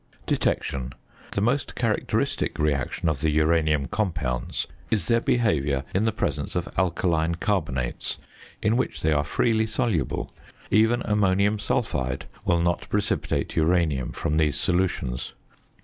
~Detection.~ The most characteristic reaction of the uranium compounds is their behaviour in the presence of alkaline carbonates in which they are freely soluble; even ammonium sulphide will not precipitate uranium from these solutions.